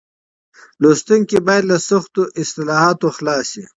لوستونکي بايد له سختو اصطلاحاتو خلاص شي.